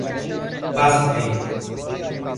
Passa Tempo